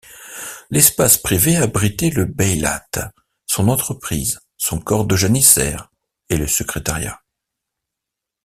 L'espace privé abritait le Bailate, son entreprise, son corps de janissaire, et le secrétariat.